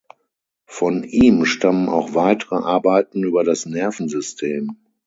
Von ihm stammen auch weitere Arbeiten über das Nervensystem.